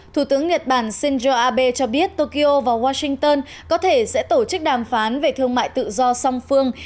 thủ tướng nhật bản shinzo abe cho biết tokyo và washington có thể sẽ tổ chức đàm phán về thương mại tự do song phương